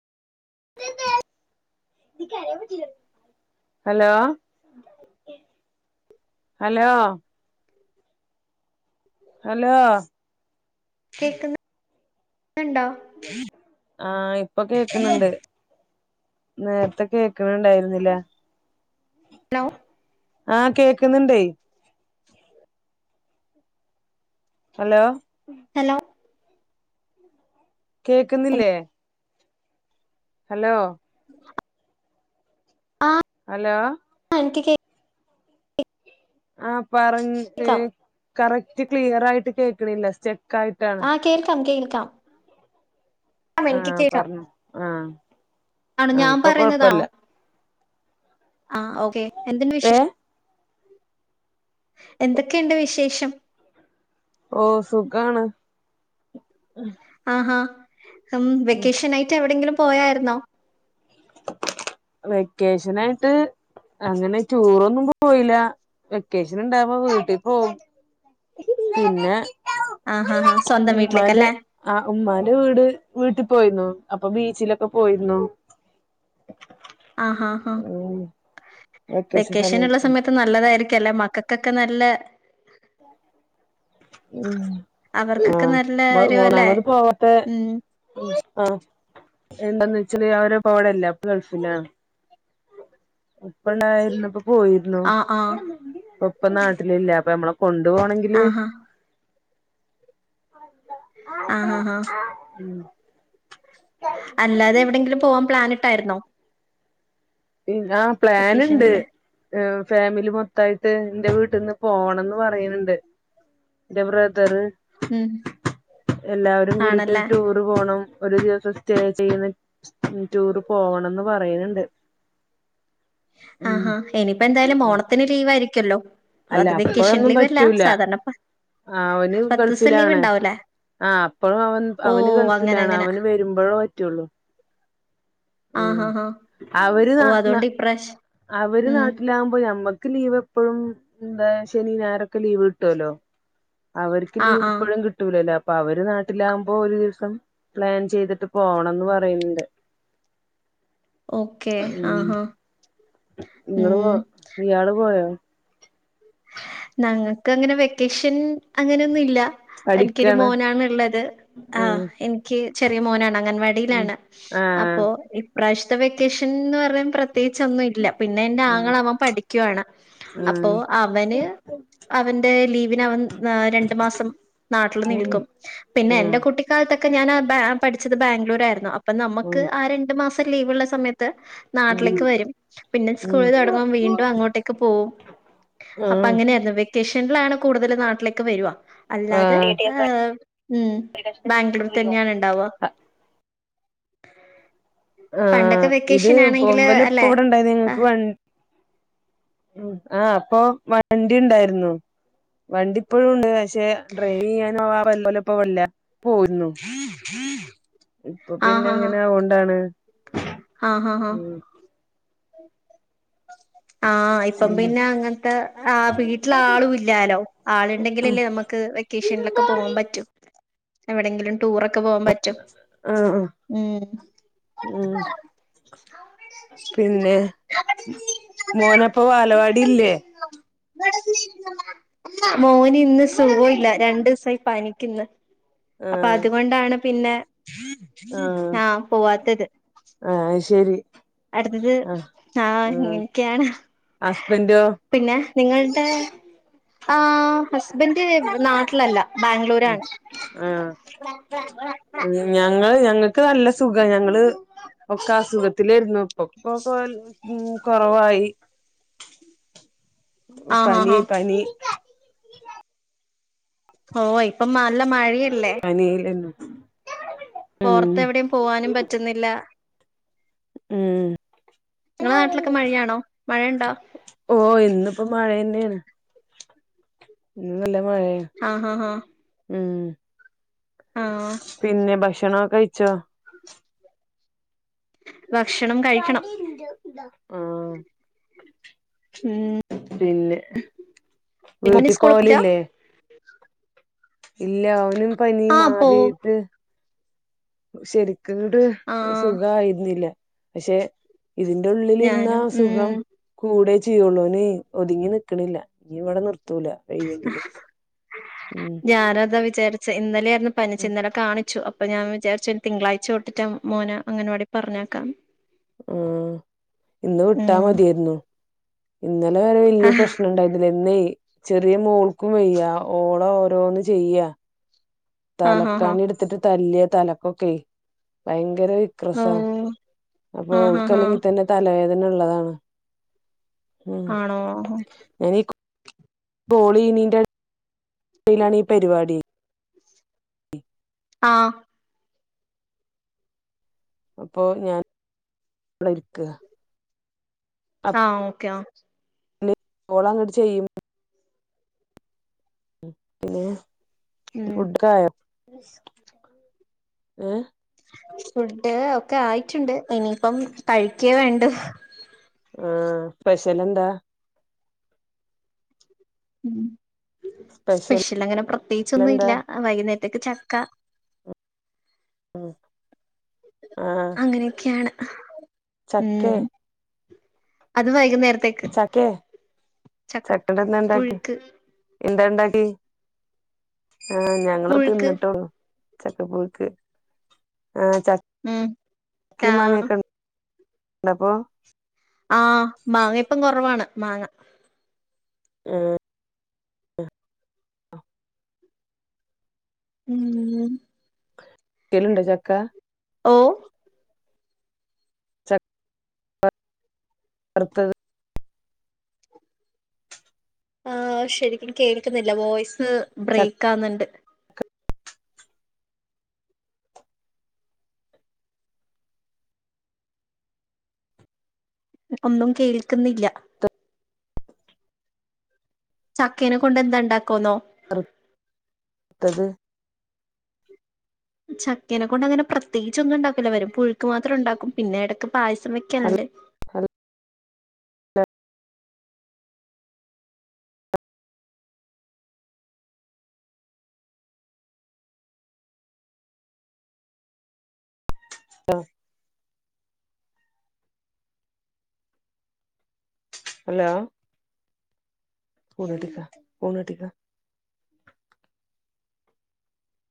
Hello hello [inaudible] hello കേക്കുന്നുന്നുണ്ടോ ആഹ ഇപ്പൊ കേക്ക്ണണ്ട് നേരത്തെക്കെ കേക്കണണ്ടായിരുന്നില്ല ഹലോ ആഹ കേൾക്കുന്നുണ്ടേ ഹലോ ഹലോ [inaudible] കേക്കുന്നില്ലേ ഹലോ ഉ [inaudible] ഹലോ ആ എനിക്ക് കേക്കാം ആഹ പറ കേൾക്കാം കറക്റ്റ് ക്ലിയർ ആയിട്ട് കേൾക്കണില്ല സ്റ്റെക്ക് ആയിട്ടാണ് ആഹ കേൾക്കാം കേൾക്കാം ആ എനിക്ക് ആഹ് കേക്കാം പറഞ്ഞോ ആഹ് ആണോ ആഹ് ഞാൻ ഇപ്പൊ പറയുന്നതാണോ കൊഴപ്പല്ല ആ ഓക്കെ എന്തുണ്ട് വിശേഷം ഏഹ് എന്തൊക്കെയുണ്ട് വിശേഷം ഓ സുഖാണ് ആഹാ ഉം വെക്കേഷൻ ആയിട്ട് എവിടെങ്കിലും പോയായിരുന്നോ വെക്കേഷനായിട്ട് അങ്ങനെ ടൂറൊന്നും പോയില്ല വെക്കേഷൻ ഉണ്ടാവ്പോ വീട്ടിൽ പോകും പിന്നെ ആ ആഹാ ആഹാ സ്വന്തം ഉമ്മാന്റെ വീട്ടിലേക്കല്ലെ ആ ഉമ്മാന്റെ വീട് വീട്ടിൽ പോയിരുന്നു അപ്പൊ ബീച്ചിലൊക്കെ പോയിരുന്നു. ആഹഹ ഉം വെക്കേഷൻ ഉള്ള സമയത്ത്. പ്പ നല്ലതായിരിക്കും അല്ലെ മക്കക്കൊക്കെ നല്ലെ ഉ അവർക്കൊക്കെ നല്ല ആഹ ഒരു മൂന്നാ അല്ലേ മത് പോവട്ടെ. ഉം ആഹ എന്താന്ന് വെച്ചല് അവര് പ്പോവിടില്ല അപ്പൊ ഗൾഫിലാ ഉപ്പ ഉണ്ടായിരുന്നപ്പൊ പോയി രുന്നു ആഹ് ആഹ് ഇപ്പൊ ഉ പ്പ നാട്ടിലില്ല അപ്പ നമ്മള കൊണ്ടു പോണെങ്കില്. ആഹാ ആഹ ആഹ ആഹ. ഉം. അല്ലാതെ എവിടെങ്കിലും പോവാൻ പ്ലാനിട്ടാരുന്നൊ? പി ആ പ്ലാന്ണ്ട്. വെക്കേഷനില് ഫാമിലി മൊത്താ യിട്ട് എന്റെ വീട്ടിൽന്ന് പോണംന്ന് പറയ ണുണ്ട്. എന്റെ ബ്രദറ് ഉം എല്ലാവരും കൂടിട്ട് ആണല്ലേ ഒര് ടൂർ ടൂർ പോണം ഒരു ദിവസം സ്റ്റേ ചെയ്യുന്ന ടൂർ പോകണംന്ന് പറയ് ണുണ്ട്. ആഹഹാ ഇനിപ്പൊ എന്തായാലും ഓണത്തിന് ലീവ് ആയിരിക്കല്ലോ. അല്ല അത് വെക്കേഷൻ അപ്പഴൊന്നും ലീവല്ല പറ്റൂല സാധാരണപ്പ അവന് ഗൾഫിലാണ് അ പ്പൊ ഓ അവൻ അങ്ങനെ ഗൾഫിലാണ് അങ്ങനെ. അവന് വരുമ്പൊ ഴേ പറ്റുള്ളൂ. ആഹ ഉം ആാ ആാ അവര് ന ഓ ന അതുകൊണ്ട് ഇപ്രാശ് അവര് നാട്ടിലാകുമ്പോ ഞ മ്മക്ക് ലീവ് എപ്പഴും എന്താ ശനി ഞായ റൊ ക്കെ ലീവ് കിട്ടുവല്ലോ അവർക്ക് ആ ലീവ് ആ. എപ്പഴും കിട്ട് കിട്ടൂലല്ലഅപ്പൊ അവര് നാട്ടിലാകുമ്പോ ഒരു ദിവസം പ്ലാൻ ചെയ്തിട്ട് പോണോ ന്ന് പറയണ് ണ്ട്. ഓക്കെ ആഹആഹ്. ഇങ്ങള്പോ ഇയാള് പോയാ? ഞങ്ങൾക്ക് അങ്ങനെ വെക്കേഷൻ അങ്ങനൊ ന്നി ല്ല. എനിക്കൊരു പഠിക്കാണ് മോനാണ്ള്ളത് ആ ആഹ് എനിക്ക് ചെറിയ മോനാണ് ഉം അംഗൻവാടിയിലാണ്. ആഹ് അപ്പൊ ഇപ്രാവശ്യത്തെ വെക്കേഷൻ ന്ന് പറയുമ്പൊ പ്ര പ്രത്യേകിച്ചൊന്നും ഇല്ല പിന്നെ എന്റെ ആഹ് ആങ്ങള അവൻ പഠിക്കുവാണ് അപ്പൊ ആഹ് അവന്. അവന്റെ ലീവിന് അവൻ രണ്ടു മാസം നാട്ടില് ഉം നിൽക്കും. പിന്നെ ഉം എന്റെ കുട്ടിക്കാലത്തൊക്കെ ഞാൻ പഠിച്ചത് ബാംഗ്ലൂർ ആയിരുന്നു അ അപ്പൊ ഉം നമ്മുക്ക് ആ രണ്ടു മാസം ലീവ്ള്ള സമയത്ത്. ഉം നാട്ടിലേക്ക് വരും പിന്നെ ഉം സ്കൂള് തൊടങ്ങും വീണ്ടും അങ്ങോട്ടേക്ക് പോവും ഉം അങ്ങനെയല്ല വെക്കേഷനിലാ ണ് കൂടുതല് നാട്ടിലേക്ക് വരുവ. അല്ലാതെ ആഹ് ഏ ഉ ബാംഗ്ലൂർ തന്നെയാണ് ഉണ്ടാവ. [inaudible] ആഹ് പണ്ടൊക്കെ ഇത് വെക്കേഷൻ ആണെങ്കില് ഇവല് ഇപ്പ അല്ലെ ഇവിടെ ഇണ്ടായിനി ആ. ഉ ആഹ അപ്പൊ വണ്ടി ണ്ടായിരുന്നു വണ്ടി ഇപ്പോഴും ഉണ്ട്. പക്ഷെ ഡ്രൈവ് ചെയ്യാൻ വല്ലപ്പൊ വല്ല പോയിരുന്നു. ഇപ്പൊ പിന്നെ ആഹ് ന്ന ങ്ങനെ ആവോണ്ടാണ്. ആഹ് ആഹ് ആഹ് മ് ആഹ ഇപ്പം പിന്നെ അങ്ങനത്തെ ആ വീട്ടിൽ ആളും ഇല്ലാലോ ആളുണ്ടെങ്കിലല്ലേ നമ്മക്ക് വെ വെ ക്കേഷനിലൊക്കെ പോകാൻ പറ്റും എവിടെങ്കിലും. ടൂറക്കെ പോവാൻ പറ്റും ആഹ് ആഹ് ഉം. ഉം പിന്നെ മോനപ്പൊ വാലവാടി ഇല്ലേ. മോന് ഇന്ന് സുഖൊ ല്ല രണ്ടു സാ യി പനിക്ക് ണ് അപ്പൊ ആഹ് അതുകൊണ്ടാണ് പിന്നെ ആഹ് ഞാൻ പോവാത്തത്. ആഹ് ശരി. അടുത്തത് ആഹ് ആഹ ആഹ് ഇങ്ങനെ ക്കാണ്. ഹസ്ബന്റോ പിന്നെ നിങ്ങളുടെ ആഹ. ഹസ്ബന്റ് നാട്ടിലല്ല ബാംഗ്ലൂരാണ്. ആഹ് ഞങ്ങള് ഞങ്ങക്ക് നല്ല സുഖ. ഞങ്ങള് ഒക്കെ അസുഖത്തിലെര്ന്നു. പൊക്കോ കോൽ ഉം കോർവായി ഓ ആഹ് ആഹ് പനി ആഹ് പനി. ഓ ഇപ്പംനല്ല മല്ല മഴയല്ലേ? പനിയേര്ന്നു പോർത്തെവ്ടേം പോവാനും പറ്റ്ന്നില്ലാ ഉം ഇങ്ങളെ നാട്ട്ലൊക്കെ മഴയാണോ മഴയ്ണ്ടോ? ഓഹ് ഇന്ന്പ്പോ മഴെയെന്നേണ് ഇന്ന് നല്ല മഴയാ ആഹ് ഹ ഹാ ഉം ആഹ് പിന്നെ ഭഷണാെ കഴിച്ചോ? ഭക്ഷണം. കഴിക്കണം വടിണ്ട് ണ്ടോ ആഹാ ഉം പിന്നെ മോന് വീട്ടി സ്കൂളിൽ പോയില്ല പോവലില്ലേ? ഇല്ല ഒനും പനി ആഹ് പോവും മാറിട്ട്. ശെരിക്ക്ങ്ങ്ട്ട് ആഹ് സുഖയിരുന്നില്ല പക്ഷെ ഇതിന്റെ ഉള്ളിലിര്ന്നാ ഞാനും സുഖം ഉം കൂടെ ചെയ്യുള്ളൂന് ഒത്ങ്ങി നിക്കണില്ല ഇഞ്ഞിവടെ നിർത്തൂല. വയ്യെങ്കിലും ഉം ഞാനതാ വിചാരിച്ചെ ഇന്നലെയായ്ര്ന്നു പനിച്ചെ ഉം ഇന്നലെ കാണിച്ചു അ അപ്പൊ ഞാൻ വിചരിച്ച് ഇനി തിങ്കളാഴ്ച തൊട്ടിട്ട് മോനെ അങ്ങനവാടി പറഞ്ഞക്കാംന്ന് ഉും ഇന്ന് വിട്ടാ ഉം മതിര്ന്നു. ഇന്നലെ വരേ വെല്ല്യ ആഹ് പ്രശ്ണണ്ടായ്ന്നില്ലാ ഇന്നേ ചെറിയ മോൾക്കും വെയ്യാ ഓളെ ഓരോന്ന് ചെയ്യാ ആഹ് ആഹ് തലക്കാണി ഇട്ത്ത്ട്ട് തല്ലാ തലക്കൊക്കെ ഭയങ്കര വി ഓ ക്രസാ അപ്പൊ ആഹ് ആഹ് ആഹ് ഓൾക്കല്ലെങ്കി തന്നെ തലവേദനള്ളതാണ് ഉം ആണോ ഞാനീ കോ കോളെയ്യിണിന്റെടിയിലാണി പരിപാടി. ആഹാ പ്പൊ ഞാൻവ്ട ഇര്ക്ക. ആഹ് ഓക്കെ ആഹ് ന് കോളങ്ങട്ട് ചെയ്യും പിന്നേ ഉം ഫുഡ്ക്കായോ ഏഹ് ഫുഡ്ഡ് ഒക്കെ ആയിറ്റ്ണ്ട് ഇനിയിപ്പം കഴിക്കേ വേണ്ടു ആഹ് സ്പെഷെലെന്താ? സ്പെഷ്യൽ സ്പെഷ്ൽ അങ്ങനെ പ്രത്യേകിച്ചൊന്നും എന്താ ഇല്ല വൈകുന്നേരത്തെക്ക് ചക്ക. ആ ആഹാ ങ്ങനൊക്കെയാണ് ചക്കേ ഉം അത് വൈകുന്നേരത്തേക്ക് ചക്കെ ചക്ക ചക്കേടെന്താണ്ടാക്കി പുഴുക്ക് എന്താണ്ടാ ടി ആ ഞങ്ങള് പുഴുക്ക് തിന്നിട്ടോള്ളു. ചക്കപ്പുഴുക്ക് ആഹ് ചക് ഉം ക്കിം ആഹ് മാങ്ങ്യൊക്കെൺ ണ്ടപ്പോ ആ മാങ്ങ ഇപ്പം കൊറവാണ് മാങ്ങ. [unintelligible] ഉം ക്കെലുണ്ടോ ചക്കാ ഓഹ് വർത്തത്. ആഹ് ശെരിക്കും കേക്ക്ന്ന്ല്ല വോയ്സ് ചക്ക ബ്രെയ്ക്കാവ്ന്ന്ണ്ട് ഒന്നും കേൾക്ക്ന്നില്ലാ ചക്കേനെ കൊണ്ട് എന്താ ണ്ടാക്കുവെന്നോ? വർത്തത് ചക്കനെ കൊണ്ട് അങ്ങനെ പ്രത്യേകിച്ച് ഒന്നും ഉണ്ടാക്കില്ല. വല്ല പുഴുക്ക് മാത്രം ഉണ്ടാക്കും. പിന്നെ ഇടയ്ക്ക് പായസം ഹൽ വെക്കല്ണ്ട്. ഹൽ ഹലോ [unintelligible]